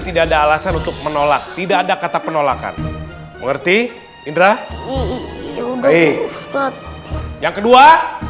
tidak ada alasan untuk menolak tidak ada kata penolakan mengerti indra baik yang kedua